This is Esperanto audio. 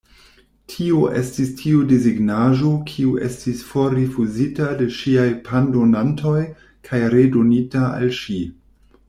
Tio estis tiu desegnaĵo, kiu estis forrifuzita de ŝiaj pandonantoj kaj redonita al ŝi.